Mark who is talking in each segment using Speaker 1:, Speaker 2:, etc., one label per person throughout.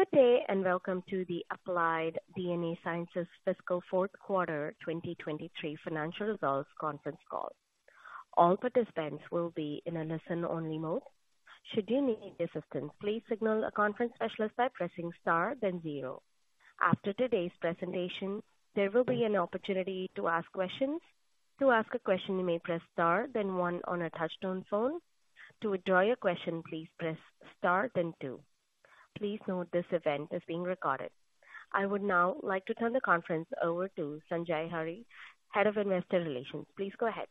Speaker 1: Good day, and welcome to the Applied DNA Sciences Fiscal Fourth Quarter 2023 financial results conference call. All participants will be in a listen-only mode. Should you need assistance, please signal a conference specialist by pressing star, then zero. After today's presentation, there will be an opportunity to ask questions. To ask a question, you may press star, then one on a touch-tone phone. To withdraw your question, please press star, then two. Please note this event is being recorded. I would now like to turn the conference over to Sanjay Hurry, Head of Investor Relations. Please go ahead.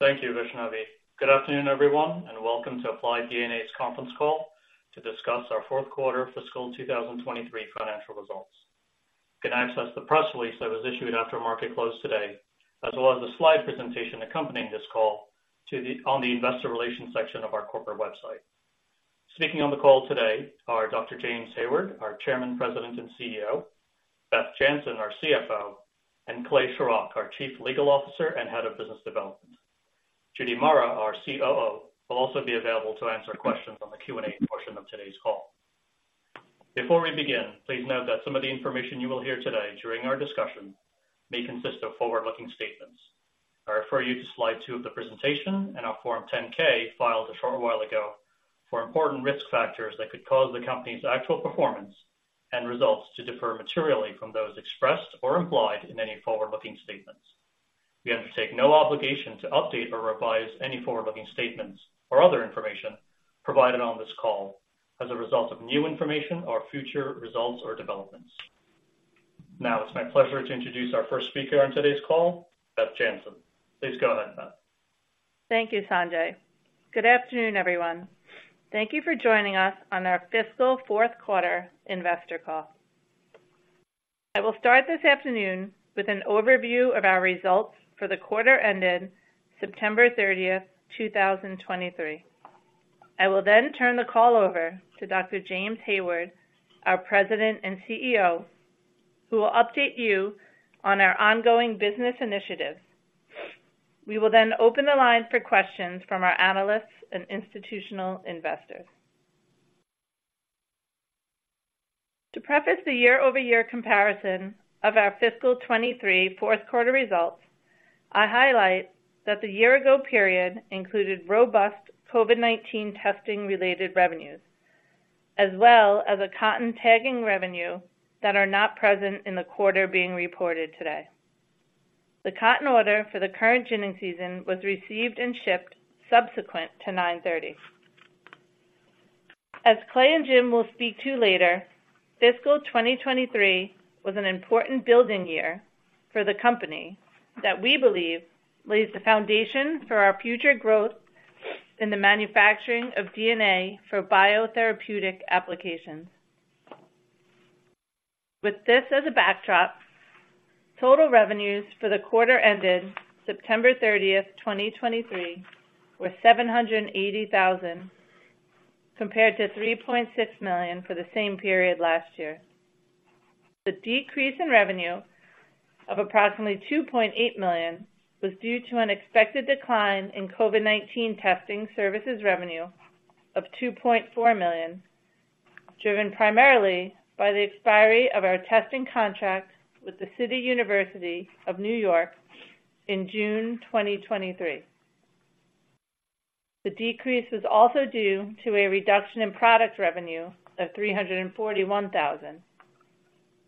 Speaker 2: Thank you, Vaishnavi. Good afternoon, everyone, and welcome to Applied DNA's conference call to discuss our fourth quarter fiscal 2023 financial results. You can access the press release that was issued after market close today, as well as the slide presentation accompanying this call on the investor relations section of our corporate website. Speaking on the call today are Dr. James Hayward, our Chairman, President, and CEO; Beth Jantzen, our CFO; and Clay Shorrock, our Chief Legal Officer and Head of Business Development. Judy Murrah, our COO, will also be available to answer questions on the Q&A portion of today's call. Before we begin, please note that some of the information you will hear today during our discussion may consist of forward-looking statements. I refer you to slide 2 of the presentation and our Form 10-K, filed a short while ago, for important risk factors that could cause the company's actual performance and results to differ materially from those expressed or implied in any forward-looking statements. We undertake no obligation to update or revise any forward-looking statements or other information provided on this call as a result of new information or future results or developments. Now, it's my pleasure to introduce our first speaker on today's call, Beth Jantzen. Please go ahead, Beth.
Speaker 3: Thank you, Sanjay. Good afternoon, everyone. Thank you for joining us on our fiscal fourth quarter investor call. I will start this afternoon with an overview of our results for the quarter ended September 30th, 2023. I will then turn the call over to Dr. James Hayward, our President and CEO, who will update you on our ongoing business initiatives. We will then open the line for questions from our analysts and institutional investors. To preface the year-over-year comparison of our fiscal 2023 fourth quarter results, I highlight that the year-ago period included robust COVID-19 testing-related revenues, as well as a cotton tagging revenue that are not present in the quarter being reported today. The cotton order for the current ginning season was received and shipped subsequent to 9/30. As Clay and Jim will speak to later, fiscal 2023 was an important building year for the company that we believe lays the foundation for our future growth in the manufacturing of DNA for biotherapeutic applications. With this as a backdrop, total revenues for the quarter ended September 30th, 2023, were $780 thousand, compared to $3.6 million for the same period last year. The decrease in revenue of approximately $2.8 million was due to an expected decline in COVID-19 testing services revenue of $2.4 million, driven primarily by the expiry of our testing contract with the City University of New York in June 2023. The decrease was also due to a reduction in product revenue of $341 thousand.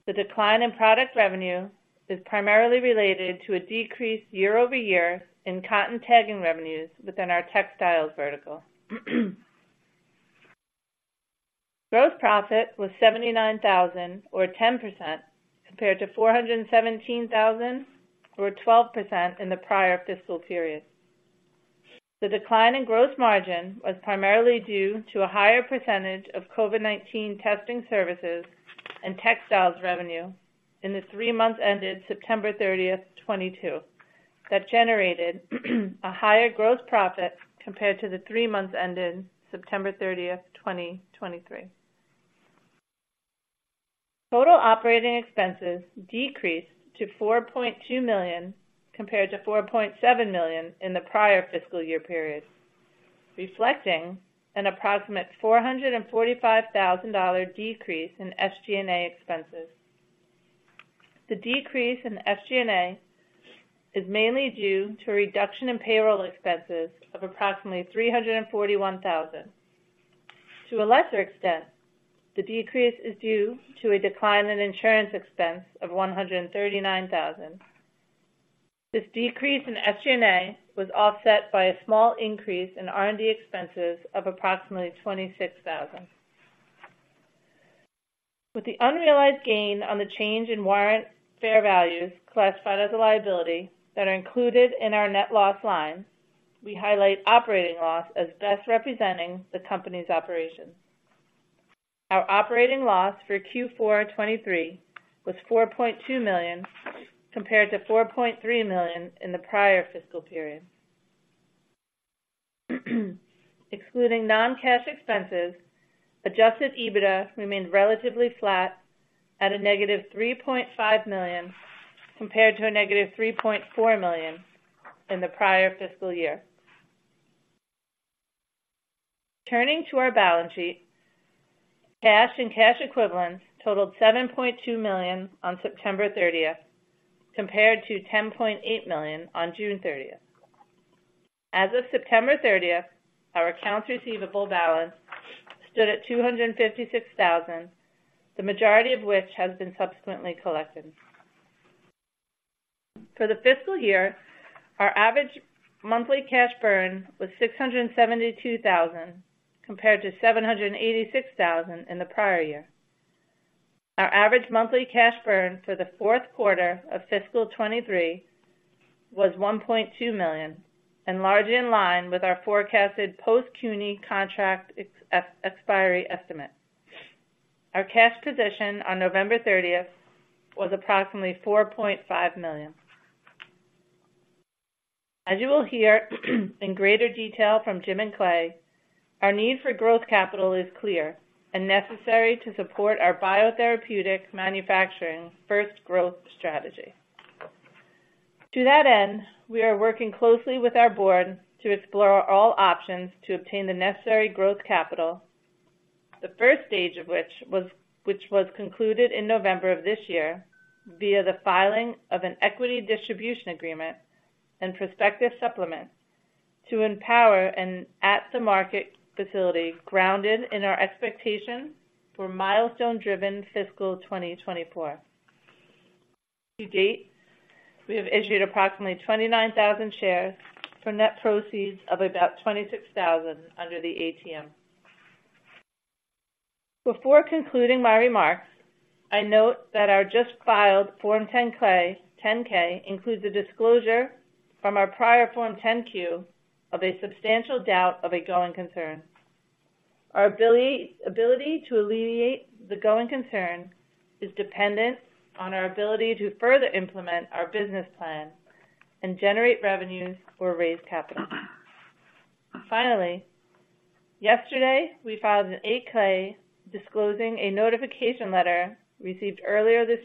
Speaker 3: The decline in product revenue is primarily related to a decrease year-over-year in cotton tagging revenues within our textiles vertical. Gross profit was $79,000 or 10%, compared to $417,000 or 12% in the prior fiscal period. The decline in gross margin was primarily due to a higher percentage of COVID-19 testing services and textiles revenue in the three months ended September 30th, 2022, that generated a higher gross profit compared to the three months ended September 30th, 2023. Total operating expenses decreased to $4.2 million, compared to $4.7 million in the prior fiscal year period, reflecting an approximate $445,000 decrease in SG&A expenses. The decrease in SG&A is mainly due to a reduction in payroll expenses of approximately $341,000. To a lesser extent, the decrease is due to a decline in insurance expense of $139,000. This decrease in SG&A was offset by a small increase in R&D expenses of approximately $26,000. With the unrealized gain on the change in warrant fair values classified as a liability that are included in our net loss line, we highlight operating loss as best representing the company's operations. Our operating loss for Q4 2023 was $4.2 million, compared to $4.3 million in the prior fiscal period. Excluding non-cash expenses, adjusted EBITDA remained relatively flat at -$3.5 million, compared to -$3.4 million in the prior fiscal year... Turning to our balance sheet, cash and cash equivalents totaled $7.2 million on September 30th, compared to $10.8 million on June 30th. As of September 30th, our accounts receivable balance stood at $256,000, the majority of which has been subsequently collected. For the fiscal year, our average monthly cash burn was $672,000, compared to $786,000 in the prior year. Our average monthly cash burn for the fourth quarter of fiscal 2023 was $1.2 million, and largely in line with our forecasted post-CUNY contract expiry estimate. Our cash position on November 30th was approximately $4.5 million. As you will hear, in greater detail from Jim and Clay, our need for growth capital is clear and necessary to support our biotherapeutic manufacturing first growth strategy. To that end, we are working closely with our board to explore all options to obtain the necessary growth capital, the first stage of which was which was concluded in November of this year, via the filing of an equity distribution agreement and prospectus supplement to empower an at-the-market facility grounded in our expectation for milestone-driven fiscal 2024. To date, we have issued approximately 29,000 shares for net proceeds of about $26,000 under the ATM. Before concluding my remarks, I note that our just-filed Form 10-K includes a disclosure from our prior Form 10-Q of a substantial doubt about a going concern. Our ability to alleviate the going concern is dependent on our ability to further implement our business plan and generate revenues or raise capital. Finally, yesterday, we filed an 8-K disclosing a notification letter received earlier this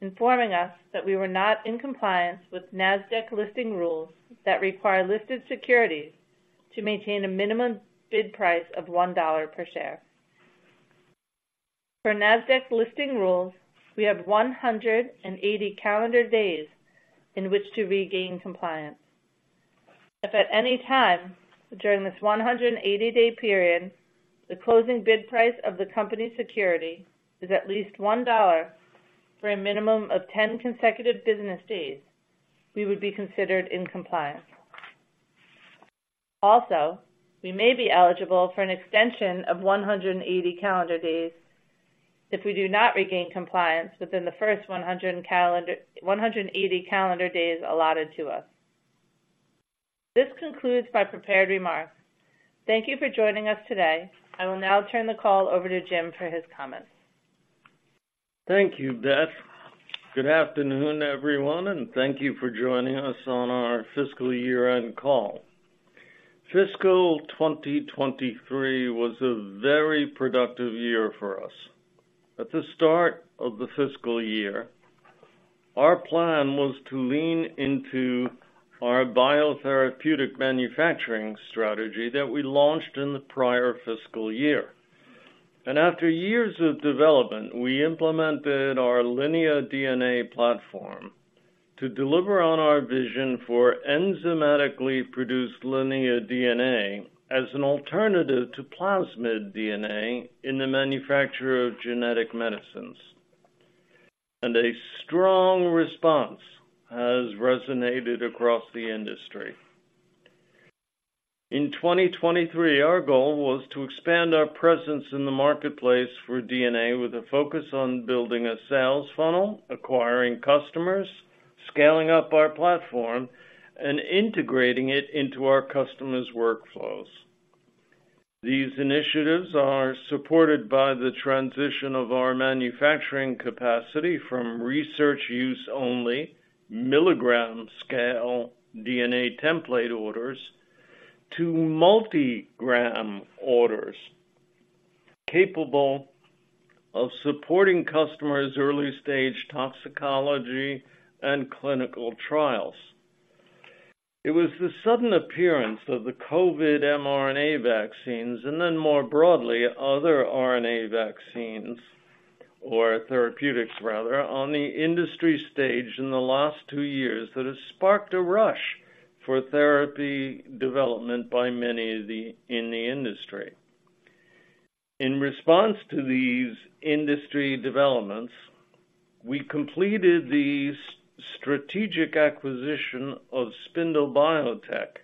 Speaker 3: week, informing us that we were not in compliance with NASDAQ listing rules that require listed securities to maintain a minimum bid price of $1 per share. Per NASDAQ listing rules, we have 180 calendar days in which to regain compliance. If at any time during this 180-day period, the closing bid price of the company's security is at least $1 for a minimum of 10 consecutive business days, we would be considered in compliance. Also, we may be eligible for an extension of 180 calendar days if we do not regain compliance within the first 180 calendar days allotted to us. This concludes my prepared remarks. Thank you for joining us today. I will now turn the call over to Jim for his comments.
Speaker 4: Thank you, Beth. Good afternoon, everyone, and thank you for joining us on our fiscal year-end call. Fiscal 2023 was a very productive year for us. At the start of the fiscal year, our plan was to lean into our biotherapeutic manufacturing strategy that we launched in the prior fiscal year. And after years of development, we implemented our LineaDNA platform to deliver on our vision for enzymatically produced LineaDNA as an alternative to plasmid DNA in the manufacture of genetic medicines. And a strong response has resonated across the industry. In 2023, our goal was to expand our presence in the marketplace for DNA with a focus on building a sales funnel, acquiring customers, scaling up our platform, and integrating it into our customers' workflows. These initiatives are supported by the transition of our manufacturing capacity from research use only, milligram-scale DNA template orders, to multi-gram orders, capable of supporting customers' early-stage toxicology and clinical trials. It was the sudden appearance of the COVID mRNA vaccines, and then more broadly, other RNA vaccines, or therapeutics rather, on the industry stage in the last two years, that has sparked a rush for therapy development by many of the in the industry. In response to these industry developments, we completed the strategic acquisition of Spindle Biotech,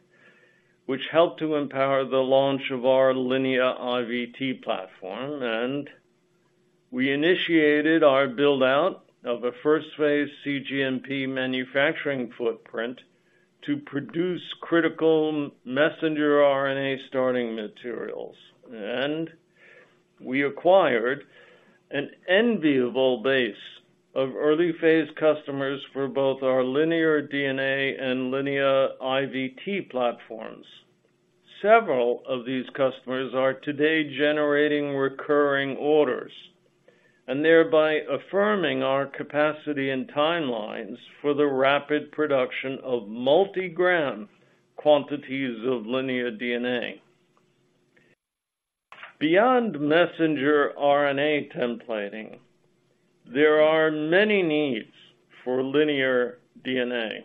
Speaker 4: which helped to empower the launch of our Linea IVT platform, and we initiated our build-out of a first-phase cGMP manufacturing footprint to produce critical messenger RNA starting materials. We acquired an enviable base of early-phase customers for both our LineaDNA and Linea IVT platforms. Several of these customers are today generating recurring orders.... Thereby affirming our capacity and timelines for the rapid production of multigram quantities of LineaDNA. Beyond messenger RNA templating, there are many needs for linear DNA.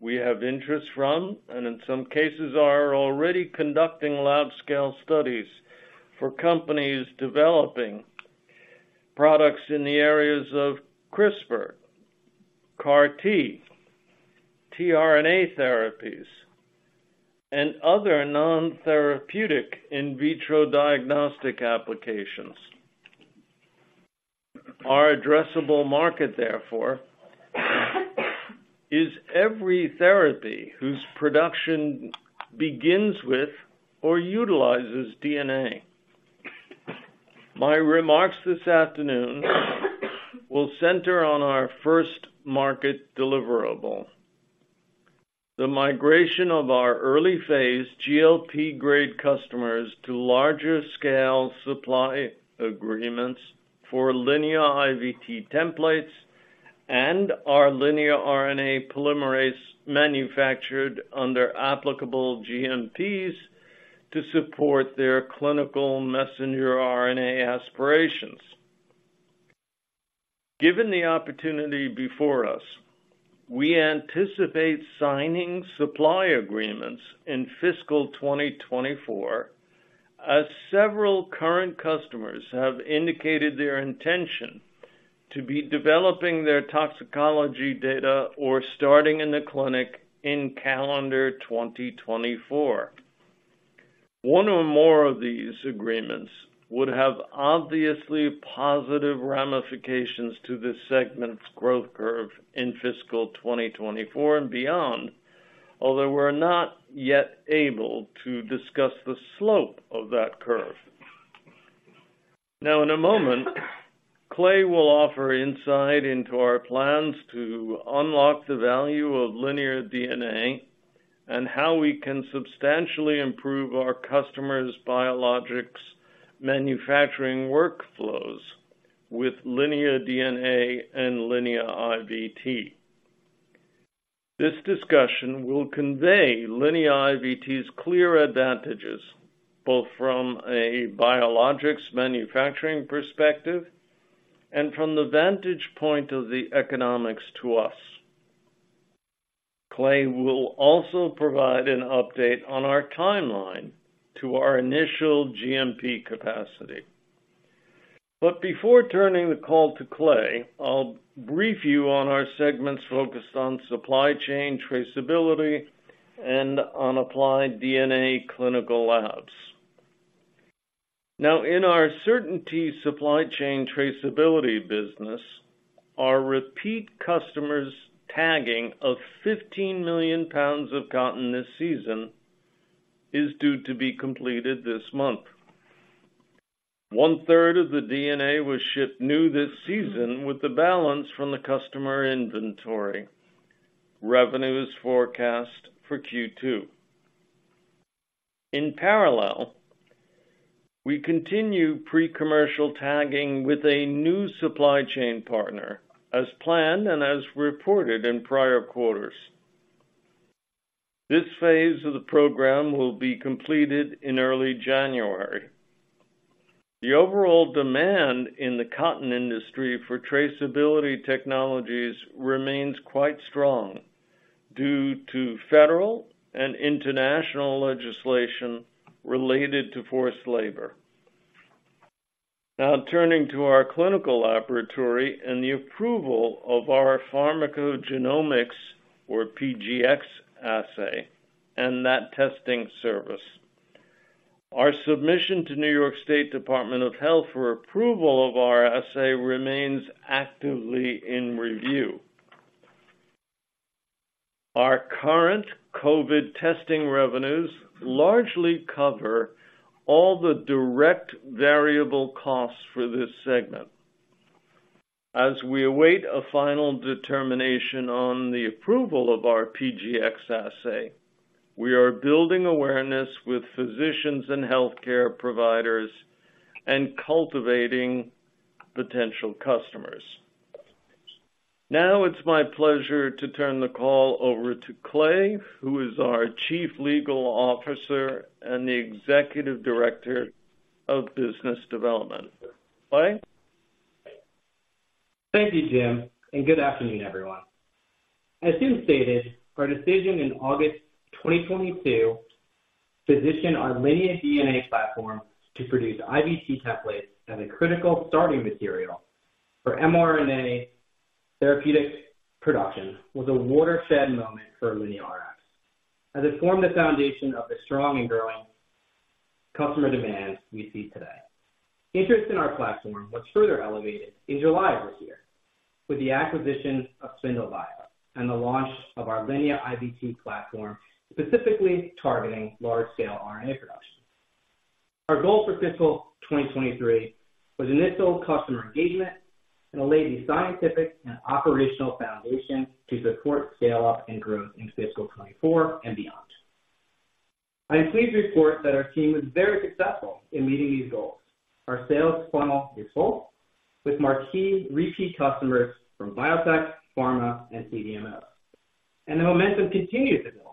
Speaker 4: We have interest from, and in some cases, are already conducting lab-scale studies for companies developing products in the areas of CRISPR, CAR T, tRNA therapies, and other non-therapeutic in vitro diagnostic applications. Our addressable market, therefore, is every therapy whose production begins with or utilizes DNA. My remarks this afternoon will center on our first market deliverable, the migration of our early-phase GLP-grade customers to larger-scale supply agreements for Linea IVT templates and our Linea RNA polymerase manufactured under applicable GMPs to support their clinical messenger RNA aspirations. Given the opportunity before us, we anticipate signing supply agreements in fiscal 2024, as several current customers have indicated their intention to be developing their toxicology data or starting in the clinic in calendar 2024. One or more of these agreements would have obviously positive ramifications to this segment's growth curve in fiscal 2024 and beyond, although we're not yet able to discuss the slope of that curve. Now, in a moment, Clay will offer insight into our plans to unlock the value of LineaDNA and how we can substantially improve our customers' biologics manufacturing workflows with LineaDNA and Linea IVT. This discussion will convey Linea IVT's clear advantages, both from a biologics manufacturing perspective and from the vantage point of the economics to us. Clay will also provide an update on our timeline to our initial GMP capacity. But before turning the call to Clay, I'll brief you on our segments focused on supply chain traceability and on Applied DNA clinical labs. Now, in our CertainT supply chain traceability business, our repeat customers' tagging of 15 million pounds of cotton this season is due to be completed this month. One-third of the DNA was shipped new this season, with the balance from the customer inventory. Revenue is forecast for Q2. In parallel, we continue pre-commercial tagging with a new supply chain partner, as planned and as reported in prior quarters. This phase of the program will be completed in early January. The overall demand in the cotton industry for traceability technologies remains quite strong due to federal and international legislation related to forced labor. Now, turning to our clinical laboratory and the approval of our pharmacogenomics, or PGx assay, and that testing service. Our submission to New York State Department of Health for approval of our assay remains actively in review. Our current COVID testing revenues largely cover all the direct variable costs for this segment. As we await a final determination on the approval of our PGx assay, we are building awareness with physicians and healthcare providers and cultivating potential customers. Now it's my pleasure to turn the call over to Clay, who is our Chief Legal Officer and the Executive Director of Business Development. Clay?
Speaker 5: Thank you, Jim, and good afternoon, everyone. As Jim stated, our decision in August 2022 positioned our LineaDNA platform to produce IVT templates as a critical starting material for mRNA therapeutic production was a watershed moment for LineaRx, as it formed the foundation of the strong and growing customer demand we see today. Interest in our platform was further elevated in July of this year with the acquisition of Spindle Biotech and the launch of our Linea IVT platform, specifically targeting large-scale RNA production. Our goal for fiscal 2023 was initial customer engagement and laid the scientific and operational foundation to support scale-up and growth in fiscal 2024 and beyond... I am pleased to report that our team was very successful in meeting these goals. Our sales funnel is full, with marquee repeat customers from biotech, pharma, and CDMOs. The momentum continues to build,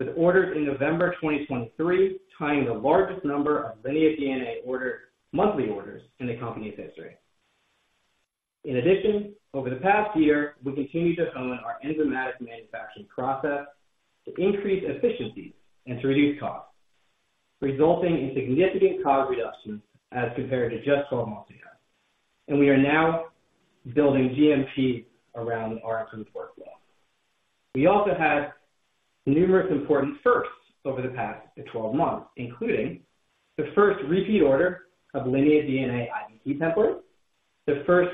Speaker 5: with orders in November 2023 tying the largest number of LineaDNA order, monthly orders in the company's history. In addition, over the past year, we continued to hone our enzymatic manufacturing process to increase efficiency and to reduce costs, resulting in significant cost reductions as compared to just 12 months ago, and we are now building GMP around our workflow. We also had numerous important firsts over the past 12 months, including the first repeat order of LineaDNA IVT template, the first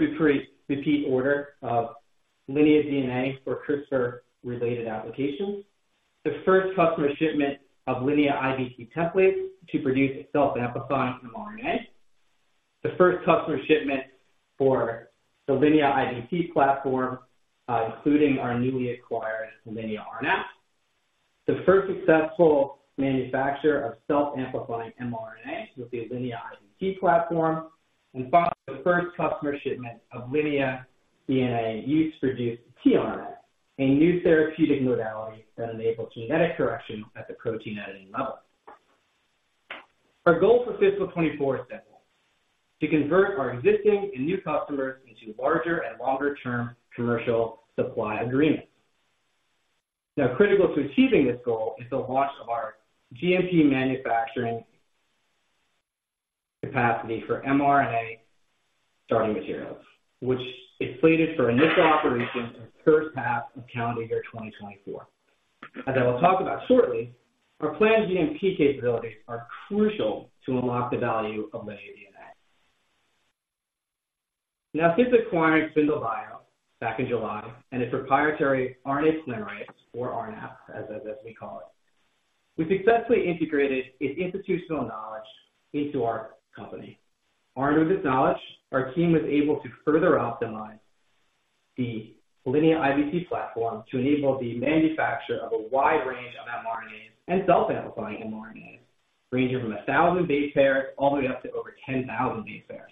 Speaker 5: repeat order of LineaDNA for CRISPR-related applications, the first customer shipment of Linea IVT templates to produce self-amplifying mRNA, the first customer shipment for the Linea IVT platform, including our newly acquired Linea RNAP, the first successful manufacture of self-amplifying mRNA with the Linea IVT platform, and finally, the first customer shipment of LineaDNA use to produce tRNA, a new therapeutic modality that enables genetic corrections at the protein editing level. Our goal for fiscal 2024 is simple: to convert our existing and new customers into larger and longer-term commercial supply agreements. Now, critical to achieving this goal is the launch of our GMP manufacturing capacity for mRNA starting materials, which is slated for initial operations in the first half of calendar year 2024. As I will talk about shortly, our planned GMP capabilities are crucial to unlock the value of LineaDNA. Now, we acquired Spindle Biotech back in July, and its proprietary RNA polymerase, or RNAP, as we call it. We successfully integrated its institutional knowledge into our company. Armed with this knowledge, our team was able to further optimize the Linea IVT platform to enable the manufacture of a wide range of mRNAs and self-amplifying mRNAs, ranging from 1,000 base pairs all the way up to over 10,000 base pairs,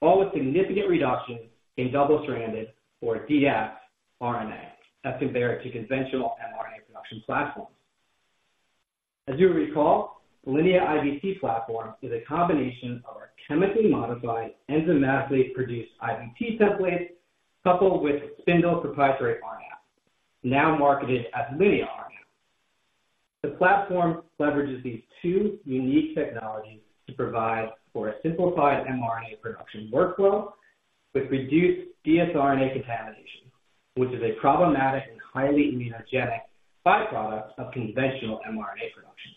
Speaker 5: all with significant reductions in double-stranded, or dsRNA, as compared to conventional mRNA production platforms. As you'll recall, Linea IVT platform is a combination of our chemically modified, enzymatically produced IVT templates, coupled with Spindle proprietary RNAP, now marketed as Linea RNAP. The platform leverages these two unique technologies to provide for a simplified mRNA production workflow with reduced dsRNA contamination, which is a problematic and highly immunogenic byproduct of conventional mRNA production.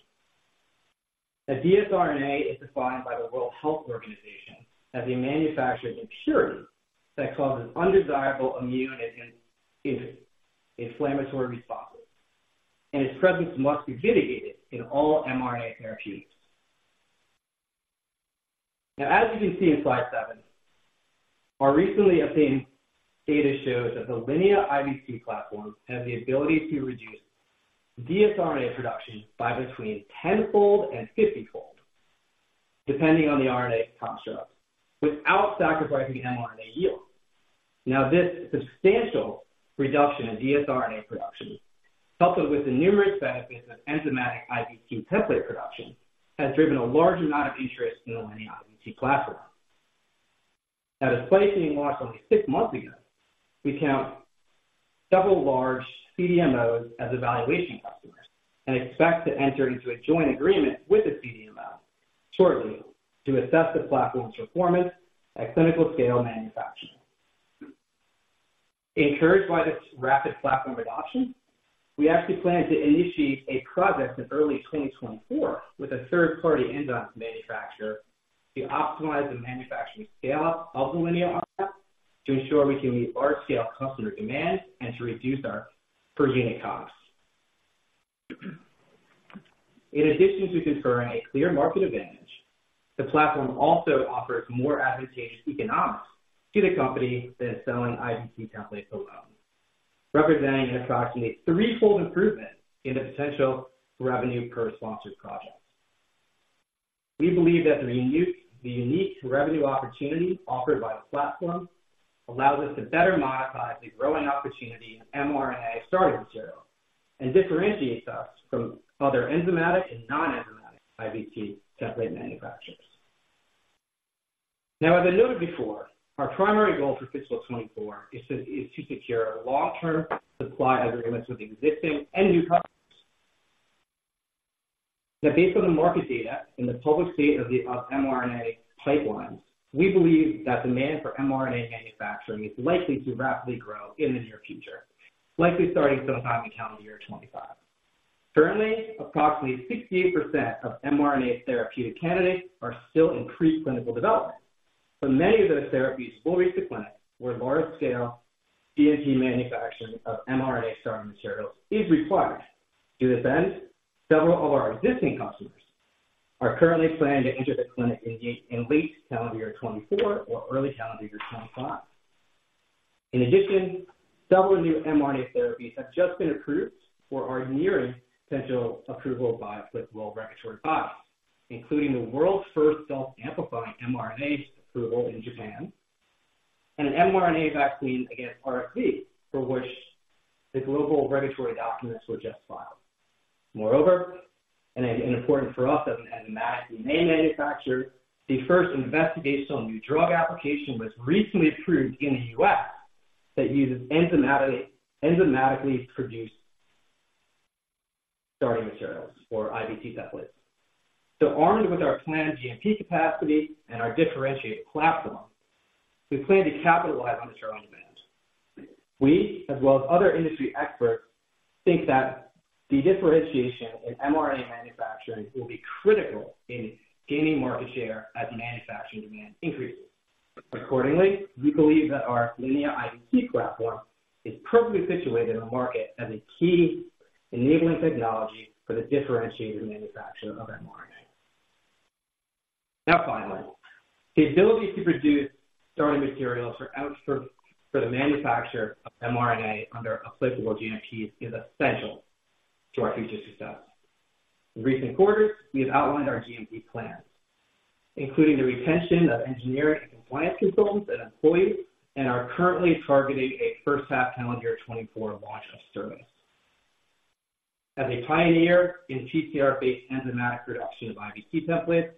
Speaker 5: A dsRNA is defined by the World Health Organization as a manufactured impurity that causes undesirable immune and inflammatory responses, and its presence must be mitigated in all mRNA therapeutics. Now, as you can see in slide 7, our recently obtained data shows that the Linea IVT platform has the ability to reduce dsRNA production by between 10-fold and 50-fold, depending on the RNA construct, without sacrificing mRNA yield. Now, this substantial reduction in dsRNA production, coupled with the numerous benefits of enzymatic IVT template production, has driven a large amount of interest in the Linea IVT platform. Now, despite being launched only six months ago, we count several large CDMOs as evaluation customers and expect to enter into a joint agreement with a CDMO shortly to assess the platform's performance at clinical scale manufacturing. Encouraged by this rapid platform adoption, we actually plan to initiate a project in early 2024 with a third-party enzyme manufacturer to optimize the manufacturing scale-up of the Linea RNAP, to ensure we can meet large-scale customer demand and to reduce our per-unit costs. In addition to conferring a clear market advantage, the platform also offers more advantageous economics to the company than selling IVT templates alone, representing an approximate threefold improvement in the potential revenue per sponsored project. We believe that the unique revenue opportunity offered by the platform allows us to better monetize the growing opportunity in mRNA starting material, and differentiates us from other enzymatic and non-enzymatic IVT template manufacturers. Now, as I noted before, our primary goal for fiscal 2024 is to secure long-term supply agreements with existing and new customers. Now, based on the market data and the public state of the mRNA pipelines, we believe that demand for mRNA manufacturing is likely to rapidly grow in the near future, likely starting sometime in calendar year 2025. Currently, approximately 68% of mRNA therapeutic candidates are still in preclinical development, but many of those therapies will reach the clinic, where large-scale GMP manufacturing of mRNA starting materials is required. To this end, several of our existing customers are currently planning to enter the clinic in late calendar year 2024 or early calendar year 2025. In addition, several new mRNA therapies have just been approved or are nearing potential approval by applicable regulatory bodies, including the world's first self-amplifying mRNA approval in Japan and an mRNA vaccine against RSV, for which the global regulatory documents were just filed. Moreover, important for us as an enzymatic mRNA manufacturer, the first Investigational New Drug Application was recently approved in the U.S. that uses enzymatically produced starting materials for IVT templates. So armed with our planned GMP capacity and our differentiated platform, we plan to capitalize on the strong demand. We, as well as other industry experts, think that the differentiation in mRNA manufacturing will be critical in gaining market share as manufacturing demand increases. Accordingly, we believe that our Linea IVT platform is perfectly situated in the market as a key enabling technology for the differentiated manufacture of mRNA. Now, finally, the ability to produce starting materials for the manufacture of mRNA under applicable GMPs is essential to our future success. In recent quarters, we have outlined our GMP plans, including the retention of engineering and compliance consultants and employees, and are currently targeting a first half calendar year 2024 launch of service. As a pioneer in PCR-based enzymatic reduction of IVT templates,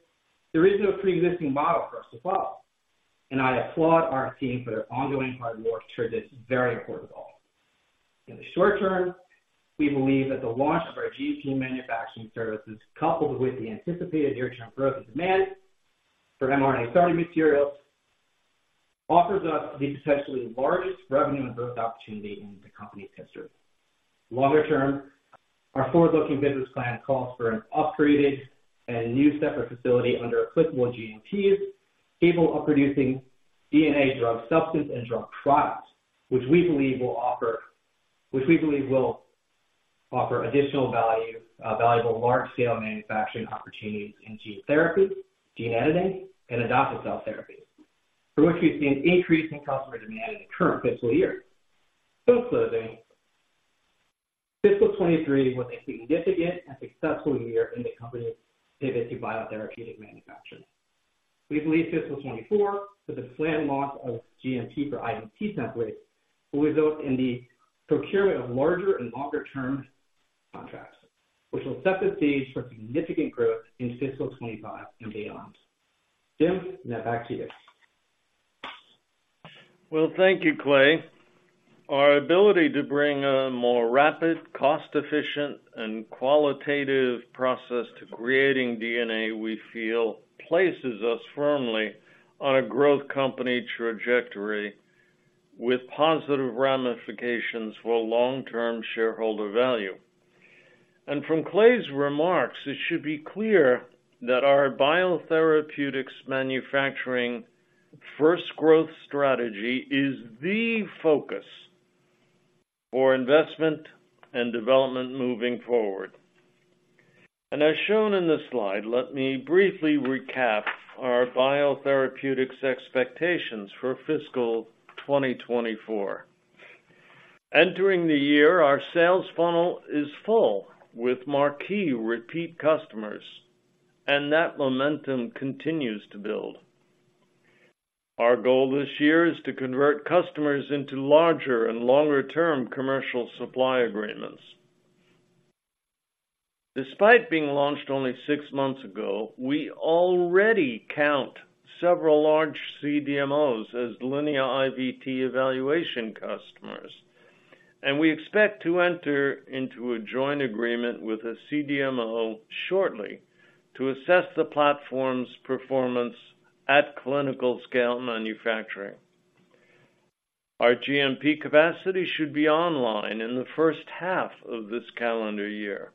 Speaker 5: there is no pre-existing model for us to follow, and I applaud our team for their ongoing hard work towards this very important goal. In the short term, we believe that the launch of our GMP manufacturing services, coupled with the anticipated near-term growth in demand for mRNA starting materials, offers us the potentially largest revenue and growth opportunity in the company's history. Longer term, our forward-looking business plan calls for an upgraded and new separate facility under applicable GMPs, capable of producing DNA drug substance and drug products, which we believe will offer additional value, valuable large-scale manufacturing opportunities in gene therapy, gene editing, and adoptive cell therapy, for which we've seen increasing customer demand in the current fiscal year. So closing, fiscal 2023 was a significant and successful year in the company's pivot to biotherapeutic manufacturing. We believe fiscal 2024, with the planned launch of GMP for IVT templates, will result in the procurement of larger and longer-term contracts, which will set the stage for significant growth in fiscal 2025 and beyond. Jim, now back to you.
Speaker 4: Well, thank you, Clay. Our ability to bring a more rapid, cost-efficient, and qualitative process to creating DNA, we feel, places us firmly on a growth company trajectory with positive ramifications for long-term shareholder value. From Clay's remarks, it should be clear that our biotherapeutics manufacturing first growth strategy is the focus for investment and development moving forward. As shown in this slide, let me briefly recap our biotherapeutics expectations for fiscal 2024. Entering the year, our sales funnel is full with marquee repeat customers, and that momentum continues to build. Our goal this year is to convert customers into larger and longer-term commercial supply agreements. Despite being launched only six months ago, we already count several large CDMOs as Linea IVT evaluation customers, and we expect to enter into a joint agreement with a CDMO shortly to assess the platform's performance at clinical-scale manufacturing. Our GMP capacity should be online in the first half of this calendar year.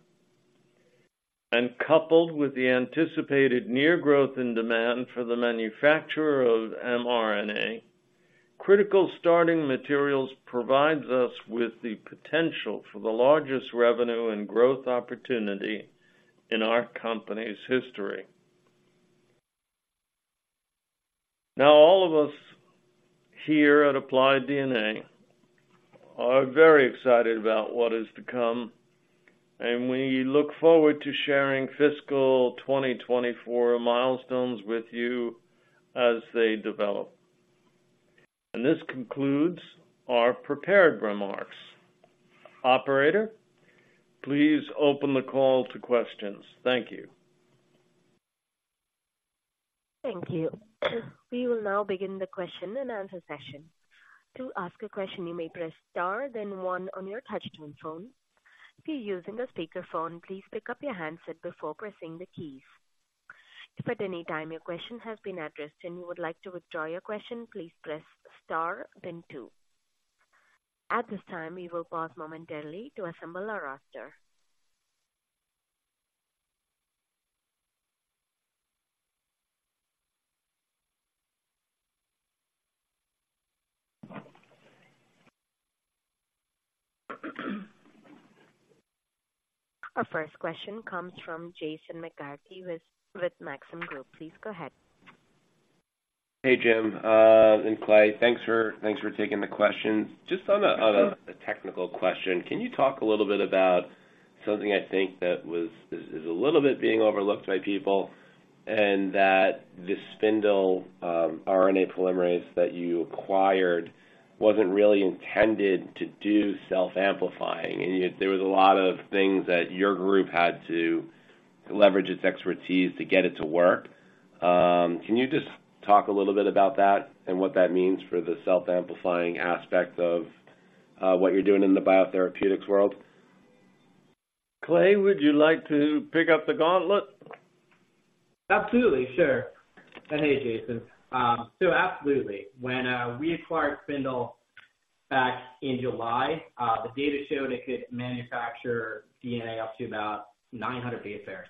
Speaker 4: Coupled with the anticipated near growth in demand for the manufacturer of mRNA, critical starting materials provides us with the potential for the largest revenue and growth opportunity in our company's history. Now, all of us here at Applied DNA are very excited about what is to come, and we look forward to sharing fiscal 2024 milestones with you as they develop. This concludes our prepared remarks. Operator, please open the call to questions. Thank you.
Speaker 1: Thank you. We will now begin the question-and-answer session. To ask a question, you may press star then one on your touch-tone phone. If you're using a speakerphone, please pick up your handset before pressing the keys. If at any time your question has been addressed and you would like to withdraw your question, please press star then two. At this time, we will pause momentarily to assemble our roster. Our first question comes from Jason McCarthy with Maxim Group. Please go ahead.
Speaker 6: Hey, Jim, and Clay. Thanks for, thanks for taking the questions. Just on a technical question, can you talk a little bit about something I think that is a little bit being overlooked by people, and that the Spindle RNA polymerase that you acquired wasn't really intended to do self-amplifying? And yet there was a lot of things that your group had to leverage its expertise to get it to work. Can you just talk a little bit about that and what that means for the self-amplifying aspect of what you're doing in the biotherapeutics world?
Speaker 4: Clay, would you like to pick up the gauntlet?
Speaker 5: Absolutely. Sure. And hey, Jason. So absolutely. When we acquired Spindle back in July, the data showed it could manufacture DNA up to about 900 base pairs.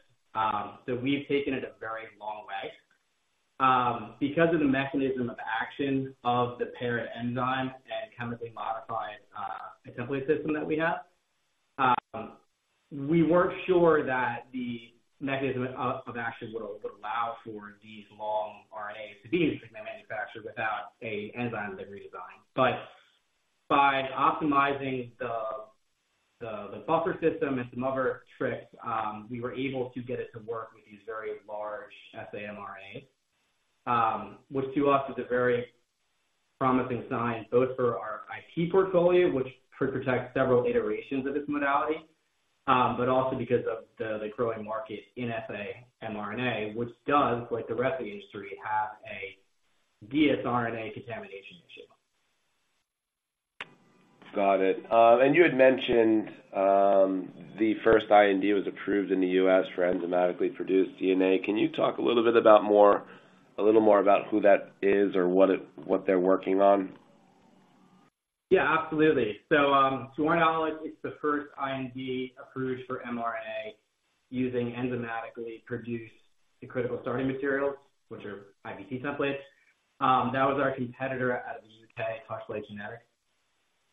Speaker 5: So we've taken it a very long way. Because of the mechanism of action of the polymerase enzyme and chemically modified the template system that we have, we weren't sure that the mechanism of action would allow for these long RNAs to be manufactured without an enzyme redesign. But by optimizing the buffer system and some other tricks, we were able to get it to work with these very large saRNA, which to us is a very promising sign, both for our IP portfolio, which could protect several iterations of this modality, but also because of the growing market in saRNA, which does, like the rest of the industry, have a dsRNA contamination issue.
Speaker 6: Got it. And you had mentioned the first IND was approved in the U.S. for enzymatically-produced DNA. Can you talk a little bit about a little more about who that is or what they're working on?
Speaker 5: Yeah, absolutely. So, to our knowledge, it's the first IND approved for mRNA using enzymatically produced the critical starting materials, which are IVT templates. That was our competitor out of the UK, Touchlight Genetics.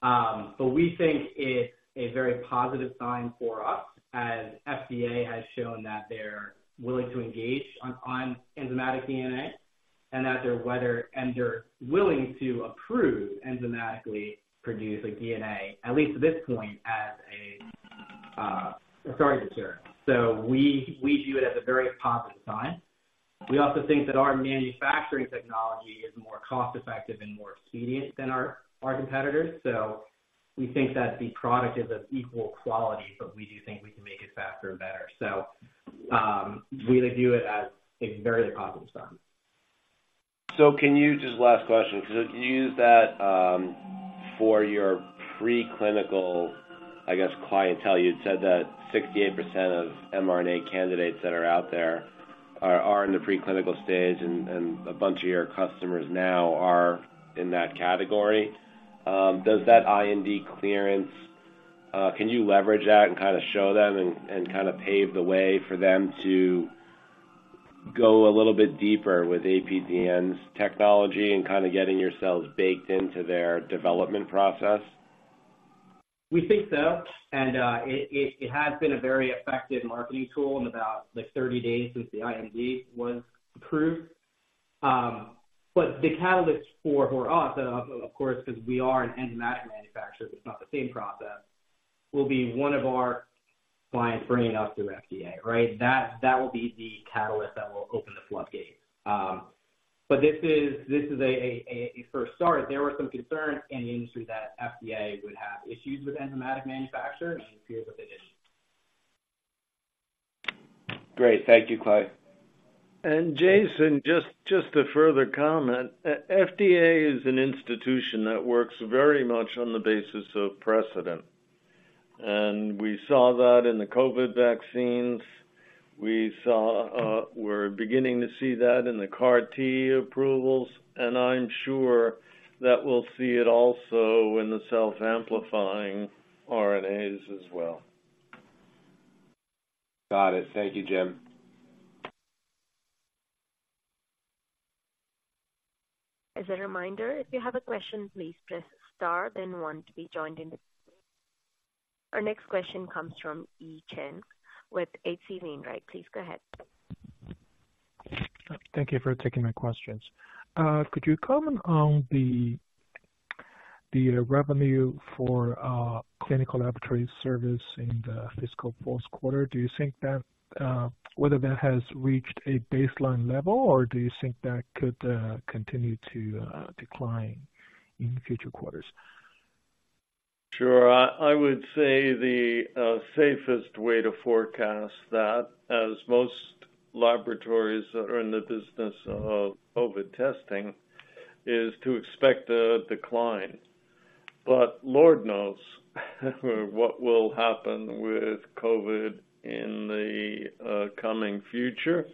Speaker 5: So we think it's a very positive sign for us, as FDA has shown that they're willing to engage on enzymatic DNA, and that they're willing to approve enzymatically produced DNA, at least at this point, as a starting material. So we view it as a very positive sign. We also think that our manufacturing technology is more cost-effective and more expedient than our competitors. So we think that the product is of equal quality, but we do think we can make it faster and better. So, we view it as a very positive sign.
Speaker 6: So can you just last question, 'cause you use that for your preclinical, I guess, clientele. You'd said that 68% of mRNA candidates that are out there are in the preclinical stage, and a bunch of your customers now are in that category. Does that IND clearance can you leverage that and kinda show them and kinda pave the way for them to go a little bit deeper with APDN's technology and kinda getting yourselves baked into their development process?
Speaker 5: We think so, and it has been a very effective marketing tool in about like 30 days since the IND was approved. But the catalyst for us, of course, 'cause we are an enzymatic manufacturer, it's not the same process, will be one of our clients bringing us to FDA, right? That will be the catalyst that will open the floodgate. But this is a first start. There were some concerns in the industry that FDA would have issues with enzymatic manufacturers, and it appears that they didn't.
Speaker 6: Great. Thank you, Clay.
Speaker 4: And Jason, just a further comment. FDA is an institution that works very much on the basis of precedent, and we saw that in the COVID vaccines. We saw, we're beginning to see that in the CAR T approvals, and I'm sure that we'll see it also in the self-amplifying RNAs as well.
Speaker 6: Got it. Thank you, Jim.
Speaker 1: As a reminder, if you have a question, please press star then one to be joined in the queue. Our next question comes from Yi Chen with H.C. Wainwright. Please go ahead.
Speaker 7: Thank you for taking my questions. Could you comment on the revenue for clinical laboratory service in the fiscal fourth quarter? Do you think that whether that has reached a baseline level, or do you think that could continue to decline in future quarters?
Speaker 4: Sure. I would say the safest way to forecast that, as most laboratories that are in the business of COVID testing, is to expect a decline. But Lord knows, what will happen with COVID in the coming future.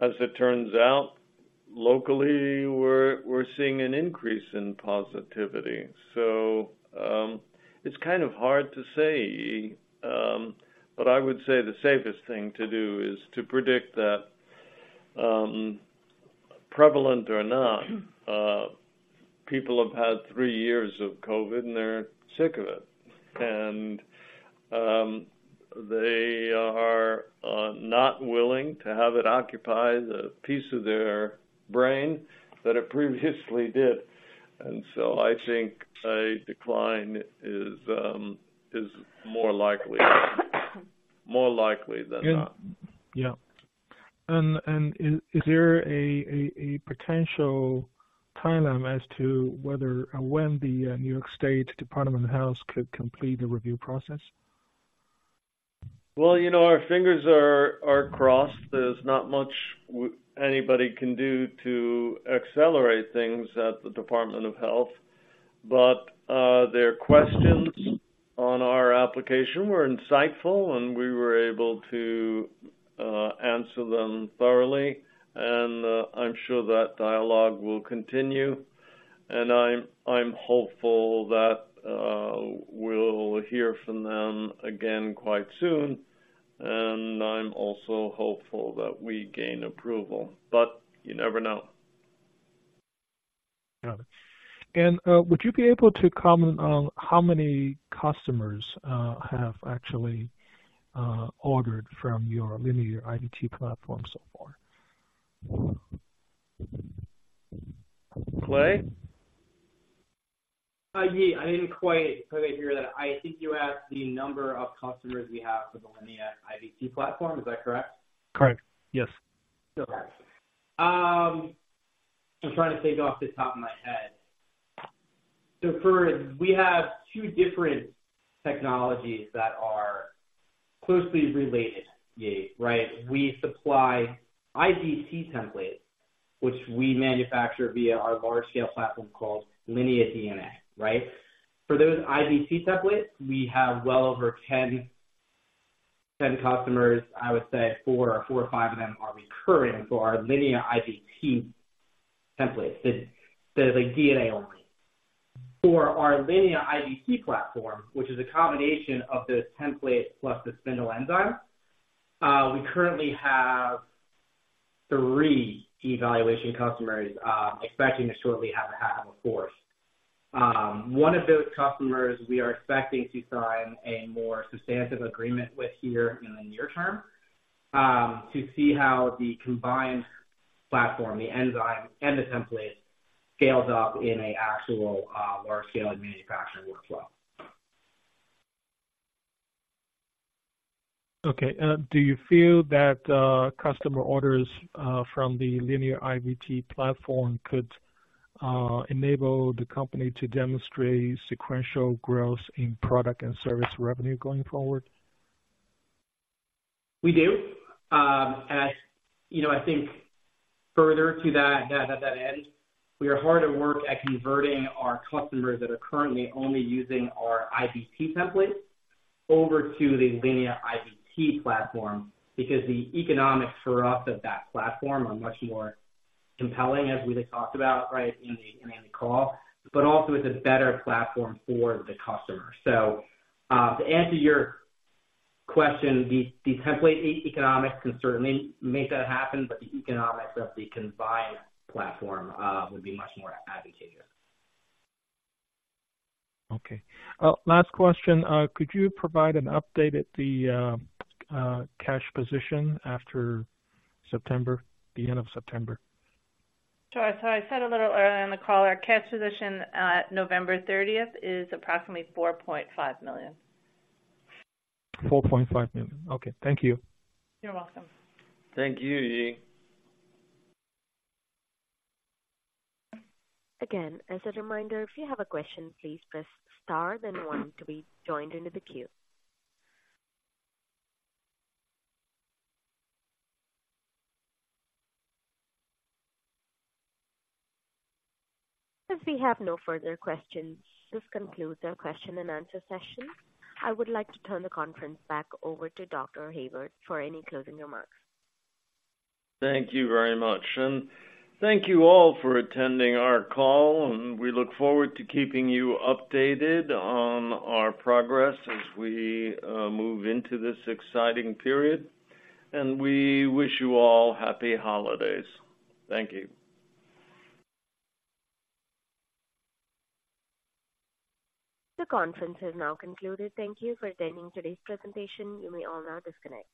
Speaker 4: As it turns out, locally, we're seeing an increase in positivity, so it's kind of hard to say, but I would say the safest thing to do is to predict that prevalent or not, people have had three years of COVID, and they're sick of it. And they are not willing to have it occupy the piece of their brain that it previously did. And so I think a decline is more likely, more likely than not.
Speaker 7: Yeah. Is there a potential timeline as to whether or when the New York State Department of Health could complete the review process?
Speaker 4: Well, you know, our fingers are crossed. There's not much anybody can do to accelerate things at the Department of Health, but their questions on our application were insightful, and we were able to answer them thoroughly. I'm sure that dialogue will continue. I'm hopeful that we'll hear from them again quite soon. I'm also hopeful that we gain approval, but you never know.
Speaker 7: Got it. And, would you be able to comment on how many customers have actually ordered from your Linea IVT platform so far?
Speaker 4: Clay?
Speaker 5: Yi, I didn't quite hear that. I think you asked the number of customers we have for the Linea IVT platform. Is that correct?
Speaker 7: Correct. Yes.
Speaker 5: Okay. I'm trying to think off the top of my head. So first, we have two different technologies that are closely related, Yi, right? We supply IVT templates, which we manufacture via our large-scale platform called LineaDNA, right? For those IVT templates, we have well over 10 customers. I would say 4 or 5 of them are recurring for our Linea IVT templates, the DNA only. For our Linea IVT platform, which is a combination of the template plus the Spindle enzyme, we currently have 3 evaluation customers, expecting to shortly have a fourth. One of those customers we are expecting to sign a more substantive agreement with here in the near term, to see how the combined platform, the enzyme and the template, scales up in an actual large-scale manufacturing workflow.
Speaker 7: Okay. Do you feel that customer orders from the Linea IVT platform could enable the company to demonstrate sequential growth in product and service revenue going forward?
Speaker 5: We do. And I, you know, I think further to that end, we are hard at work at converting our customers that are currently only using our IVT templates over to the Linea IVT platform, because the economics for us of that platform are much more compelling as we talked about, right, in the call, but also it's a better platform for the customer. So, to answer your question, the template economics can certainly make that happen, but the economics of the combined platform would be much more advantageous.
Speaker 7: Okay. Last question. Could you provide an update at the cash position after September, the end of September?
Speaker 3: Sure. So I said a little earlier in the call, our cash position at November thirtieth is approximately $4.5 million.
Speaker 7: $4.5 million. Okay, thank you.
Speaker 3: You're welcome.
Speaker 4: Thank you, Yi.
Speaker 1: Again, as a reminder, if you have a question, please press star then one to be joined into the queue. As we have no further questions, this concludes our question-and-answer session. I would like to turn the conference back over to Dr. Hayward for any closing remarks.
Speaker 4: Thank you very much, and thank you all for attending our call, and we look forward to keeping you updated on our progress as we move into this exciting period, and we wish you all happy holidays. Thank you.
Speaker 1: The conference is now concluded. Thank you for attending today's presentation. You may all now disconnect.